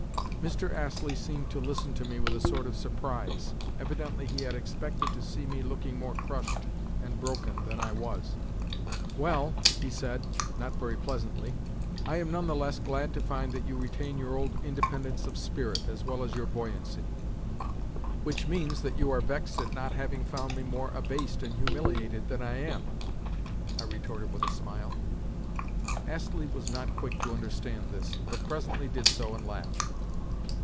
Mr. Astley seemed to listen to me with a sort of surprise. Evidently he had expected to see me looking more crushed and broken than I was. "Well," he said—not very pleasantly, "I am none the less glad to find that you retain your old independence of spirit, as well as your buoyancy." "Which means that you are vexed at not having found me more abased and humiliated than I am?" I retorted with a smile. Astley was not quick to understand this, but presently did so and laughed.